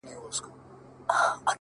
• د سوځېدلو قلاګانو او ښارونو کوي,